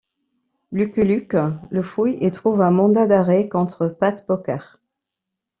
Lucky Luke le fouille et trouve un mandat d'arrêt contre Pat Poker.